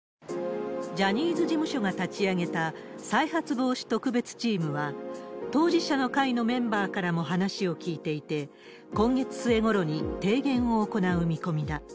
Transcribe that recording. ジャニーズ事務所が立ち上げた再発防止特別チームは、当事者の会のメンバーからも話を聞いていて、今月末頃に提言を行う見込みだ。